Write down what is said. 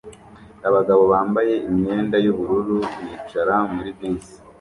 Abagabo bambaye imyenda yubururu bicara muri bisi